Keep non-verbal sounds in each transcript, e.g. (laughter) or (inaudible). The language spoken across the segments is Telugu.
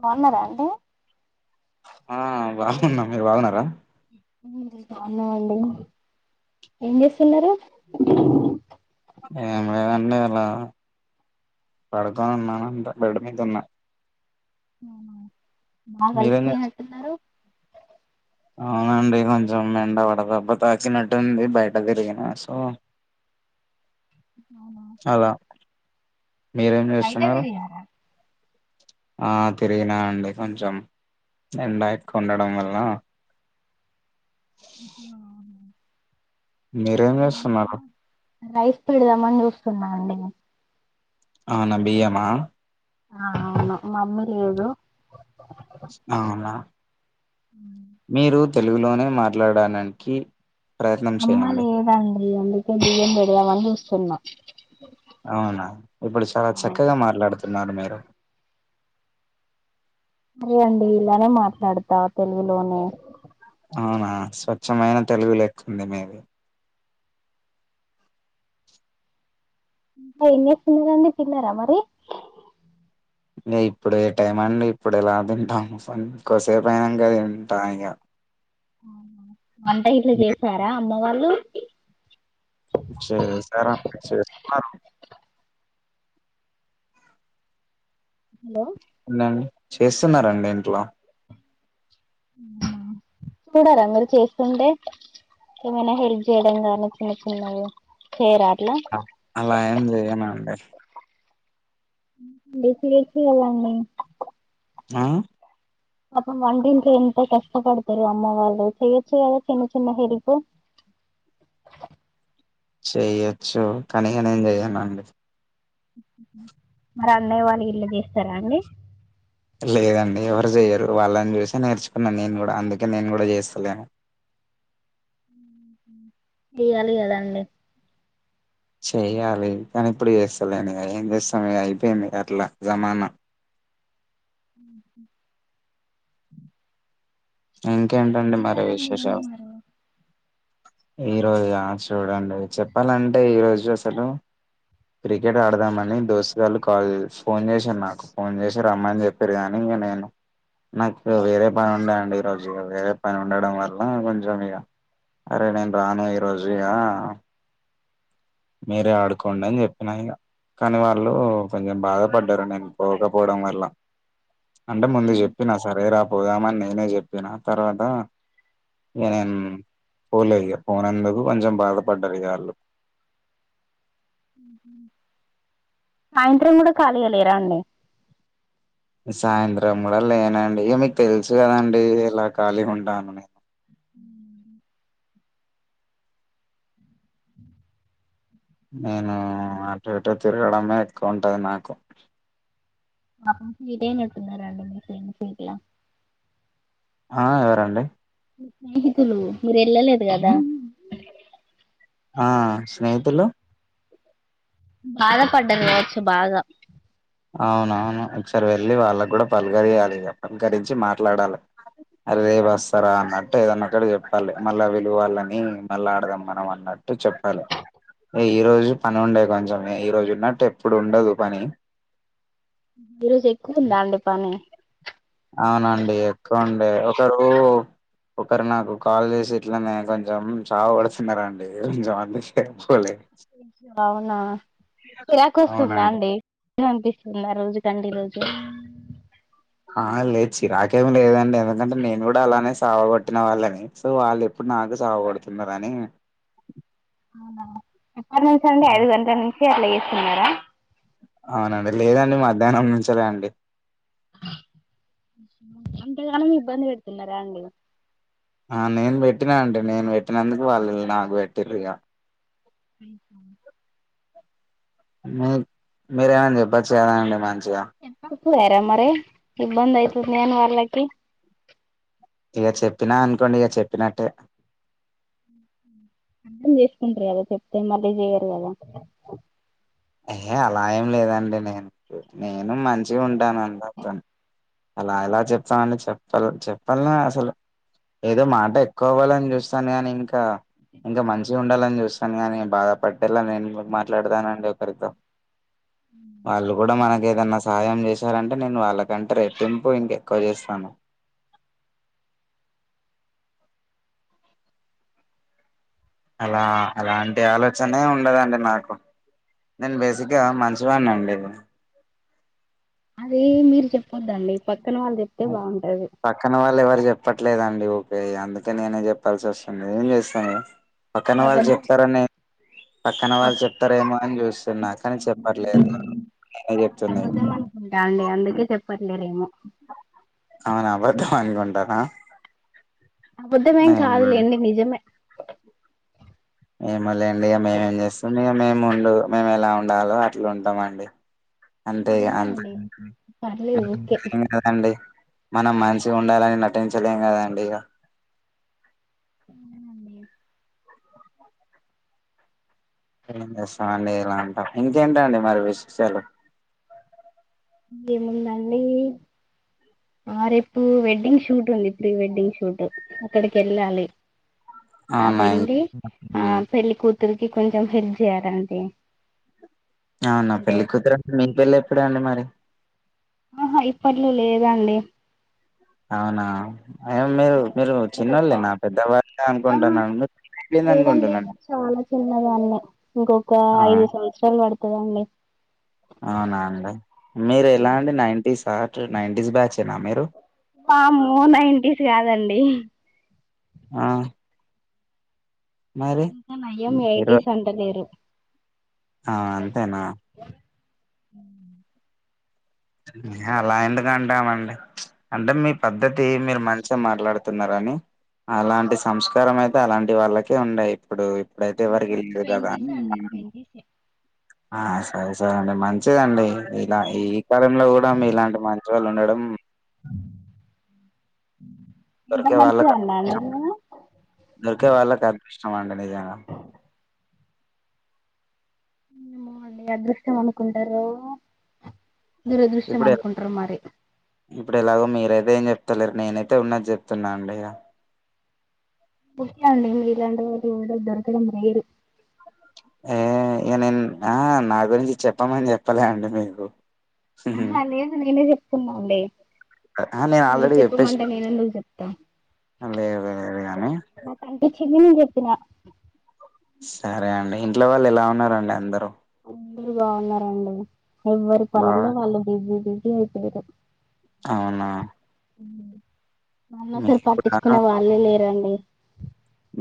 బాగున్నారా అండి వున్నం మీరు బాగున్నారా హ్మ్ బావున్నం అండి ఏం చేస్తున్నారు. ఏం లేదండి. అలా పడుకొని ఉన్నానంతే బెడ్ మీద ఉన్నా. అవున బాగా మీరేం చేస్ అలిసిపోయినట్టున్నారు? అవునండి. కొంచెం ఎండవడదెబ్బ తాకినట్టుంది. బయట తిరిగిన సో అవునా అలా మీరేం చేస్తున్నారు? ఆ తిరిగినా అండి కొంచెం. ఎండ ఎక్కువ్ ఉండడం వల్ల ఉహ్ హు అవునా మీరేం చేసున్నారు రైస్ పెడదామని చూస్తున్నా అండి నే అవునా బియ్యమా ఆ అవును మమ్మీ లేదు అవునా ఉమ్ మీరు తెలుగులోనే మాట్లాడడానికి ప్రయత్నం అమ్మ చేయండి లేదండి అందు బియ్యం పెడదామని చూస్తున్న అవునా ఇప్పుడు చాలా చక్కగా మాట్లాడుతు తిన్నాను మీరు సరే అండి ఇలానే మాట్లాడతా తెలుగులోనే అవునా స్వచ్ఛమైన తెలుగు లెక్కుంది మీది ఏం చేస్తున్నారండి తిన్నారా అండి తిన్నారా మరి నే ఇప్పుడే ఏ టైం ఐంది ఇప్పుడే ఎలా తింటాము కొసేపుయినాంగా తింటా ఇగ వంట ఇంట్లో చేసారా అమ్మ వాళ్ళు శరే సరే చేస్తాను హలో ఉన్నా అండి చేస్తున్నారండి ఇంట్లో చూడరా మీరు చేస్తుంటే ఏమైనా హెల్ప్ చేయడం కానీ చిన్న చిన్నవి చేరా ఆ అలా ఏం చెయ్యను అండి బసి వేసి వెల్లండి ఆ పాపం వంటిట్లో ఎంత కష్టపడుతురు అమ్మ వాళ్ళు చేయొచ్చు కదా చిన్న చిన్న హెల్ప్ చెయొచ్చు కానీఇగ నేం చెయ్యనండి మరి అన్నయ్య వాళ్ళు ఇళ్ళ చేస్తారా అండి లేదండి ఎవరు చేయరు వాళ్ళని చూసే నేర్చుకున్నా నేను కూడా అందుకే నేను కూడా చేస్తలేను చెయ్యాలి కదండి చెయ్యాలి కానీ ఇప్పుడు చేస్తలేను ఇక ఏం చేస్తాము ఇక అయిపోయింది అట్లా జమానా మ్ హు ఇంకేంటండి మరి విశేషాలు ఈ రోజా చూడండి చెప్పాలంటే ఈ రోజు అసలు క్రికెట్ ఆడదామని దోస్తు గాళ్ళు కాల్ చే ఫోన్ చేశారు నాకు ఫోన్ చేసి రమ్మని చెప్పారు కాని ఇంక నేను నాకు వేరే పని ఉండే అండి ఈ రోజు వేరే పని ఉండడం వల్ల కొంచెం ఇక అరే నేను రాను ఈ రోజు ఇక మీరే ఆడుకోండి అని చెప్పిన ఇక కానీ వాళ్ళు కొంచెం బాధపడ్డారు నేను పోకపోవడం వల్ల అంటే ముందు చెప్పినా సరేరా పోదామని నేనే చెప్పినా తర్వాత ఇక నేన్ పోలే ఇక పోనందుకు కొంచెం బాధపడ్డారు ఇక వాళ్ళు సాయంత్రం కూడా ఖాళీగలేరా అండి సాయంత్రం కూడా లేనండి ఇక మీకు తెలుసు కదండి ఇక ఎలా ఖాళీగా ఉంటాను నేను నేను అటు ఇటు తిరగడమే ఎక్కువ ఉంటది నాకు ఇటు ఏం చేస్తున్నారు మీ ఫ్రెండ్స్ గిట్ల ఆ ఎవరండి స్నేహితులు మీరు ఎల్లలే దు కదా ఆ స్నేహితులు బాధపడ్డారు కావచ్చు బాగా అవునవును ఒకసారి వెళ్ళి వాళ్ళకు కూడా పలకరియాలి ఇక పలకరించి మాట్లాడాలి అరే రేపు వస్తారా అన్నట్టు ఏదన్న ఒక్కటి చెప్పాలి మళ్ళా వీళ్ళు వాళ్ళని మళ్ళా ఆడదాం మనం అన్నట్టు చెప్పాలి ఈ రోజు పని ఉండే కొంచెమే ఈ రోజు ఉన్నట్టు ఎప్పుడు ఉండదు పని ఈ రోజు ఎక్కువ ఉందా అండి పని అవునండి ఎక్కువ ఉండే ఒకరు ఒకరు నాకు కాల్ చేసి ఇట్లనే కొంచెం చావ గోడుతున్నారండి కొంచెం అందుకే పోలే అవునా చిరాకు వస్తుందా అవునండి అండి అనిపిస్తుందా రోజు కంటే ఈ రోజు ఆ లేదు చిరాకేమి లేదండి ఎందుకంటే నేను కూడా అలానే సావ కొట్టిన వాళ్ళని సో వాళ్ళు ఎప్పుడు నాకు సావ కొడుతున్నారని అవున ఎప్పటి నుంచి అండి ఐదు గంటల నుంచి కే అట్లా చేస్తున్నారా అవునండి లేదండి మధ్యాహ్నం నుంచిలే అండి అంత గానము ఇబ్బంది పెడుతున్నారా అండీ ఆ నేను పెట్టినా అండి నేను పెట్టినందుకు వాళ్ళు నాకు పెట్టిర్రు ఇగ అ సా మీ మీరు ఏమైనా చెప్పచ్చు కదా అండి మాకి చ్చుగా సరే మరి ఉందాం (unintelligible) ఇక చెప్పినా అనుకోండి ఇక చెప్పినట్టే అర్థం చేసుకుంటారు కదా చెప్తే మళ్ళీ చెయరు కదా అయ అలా ఏం లేదండి నేను నేను మంచిగా ఉంటాను అంతప్పని అలా ఎలా చెప్తామండి చెప్ప చెప్పాల అసలు ఏదో మాట ఎ కోవాలని చూస్తాను కాని ఇంకా ఇంకా మంచిగా ఉండాలని చూస్తా గానే బాధపట్ ఇలా నేను కూడా మాట్లాడతాను అండి హరిత వాళ్ళు కూడా మనకు ఏదన్నా సహాయం చేశారంటే అంటే నేను వాళ్ళకంటే రెట్టింపు ఇంక ఎక్కువ చేస్తాను అలా అలాంటి ఆలోచనే ఉండదండి నాకు నేను బేసిక్గా మంచివాడినీ అండి అదే మీరు చెప్పొద్దండి ప పక్కన వాళ్ళు ఎవరు చెప్ చెప్పట్లేదండి ఓకే అందుకే నేనే చెప్పాల్సి వస్తుంది ఏం చేస్తాను పక్కన అది వాళ్ళు అబద్ధం చెప్తారని పక్కన వాళ్ళు అబద్ధంటా చెప్తారేమో అని చూస్తున్నా కాని చెప్పట్లేదు చెప్తుంది పర్లేదేమో అవునా అబద్ధం అనుకుంటార అబుద్ధమేం కాదులేండి నిజమే ఏమో లేండి ఇగ మేమేం చేస్తాం మేము ఉండు మేము ఎలా ఉండాలో అట్లా ఉంటామ అండి అంతే గా పర్లేదు ఓకే కదండి మనం మనిష ఉండాలని నటించలేం కదండి ఇక అవును అండి స్తాం ఇలా అంటా ఇంకేంట అండి మరి విశేషాలు ఏముందండి ఆ రేపు వెడ్డింగ్ షూట్ ఉంది ప్రీ వెడ్డింగ్ షూట్ అక్కడికి వెళ్ళాలి. ఆ అవునా ఇం వెళ్ళలి ఆ హ్మ్ పెళ్లి కూతురికి కొంచెం హెల్ప్ చేయాలంట ఓకే అవునా పెళ్ళి కూతురండి మీ పెళ్లి ఎప్పుడు అండి మరి ఆహా ఇప్పట్లో లేదాండి అవునా ఏ మీరు మీరు చిన్నోళ్ళే నా పెద్దవాళ్ళే అనుకుంటున్నానుండి అనుకుంటున్నాను. చాలా చిన్నదాన్ని ఇక ఆ ఒకకఐదు సంవత్సరాలు పడుతుంది రమి అవునాండి మీరు ఎలా అండి నైన్టీ సార్ నైన్ంటీస్ బ్యాచ్ ఏనా మీరు ఆ మూ నైంటీస్ కాదండి ఆ మరి ఇంకా నయ్యం ఎయీ ఇరవై టీస్ అంటలేరు ఆ అంతేనా అ అలా ఎందుకంటామండి అంటే మీ పద్ధతి మీరు మంచిగా మాట్లాడుతున్నార అని అలాంటి సంస్కారం అయితే అలాంటి వాళ్ళకే ఉండయి ఇప్పుడు. ఇప్పుడైతే ఎవరకి వెళ్ళదు కదా ఆ సరే సరే అండి మంచిదండి ఇలా ఈ కాలంలో కూడా మీలాంటి మంచి వాళ్ళు ఉండడం దొరికే వాళ్ళకి అదృష్టం, (unintelligible) దొరికే వాళ్ళకి అదృష్టం అండ నిజంగా ఏమ అండి అదృష్ట్యం అనుకుంటారు. దురదృష్టం ఇప్పుడు అనుకుంటారు మరి ఇప్పుడు ఎలాగో మీరైతే ఏం చెప్తలేరు నేనైతే ఉన్న చెప్తున్నా అండి. ముఖ్య అండి మీరు ఇలాండ వ దొరకడం రేరు ఏ ఇక నేను ఆ నా గురించి చెప్పమని చెప్పలే అండి మీకు. అ లేేదు నినే చెప్తున్న ఉన్నా అడి నేను ఆల్రెడీ చెప్పేసి చెప్తా లేదు లేదు కానీ కని చెప్పిన సరే అండి ఇంట్లో వాళ్ళు ఎలా ఉన్నారండి అందరూ అందరు బాగున్నారండి ఎవ్వరి బాగా పనలో వాళ్ళు బిజిబీజీ రైట గా అవునా వల్లనీ మీకుడా పట్టించుకునే వాళ్ళే లేరండి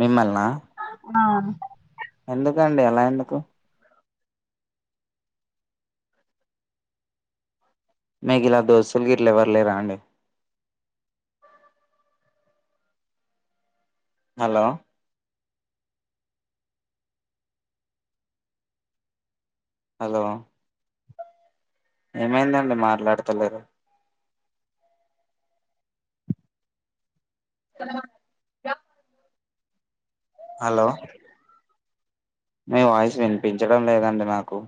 మిమ్మల్నా ఆ ఎందుకు ండి అలా ఎందుకు మీకు ఇలా దోస్తులు గీట్ల ఎవరలేరా అండి హలో హలో ఏమైందండి మాట్లాడతలేరు హలో మీ వాయిస్ వినిపించడం లేదండి నాకు